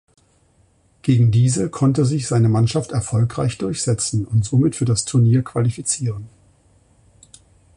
Gegen diese konnte sich seine Mannschaft erfolgreich durchsetzen und somit für das Turnier qualifizieren.